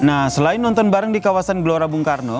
nah selain nonton bareng di kawasan gelora bung karno